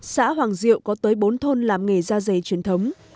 xã hoàng diệu có tới bốn thôn làm nghề da dày truyền thống